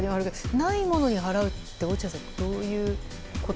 ないものに払うって落合さんどういうこと？